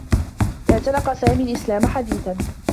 اعتنق سامي الإسلام حديثا.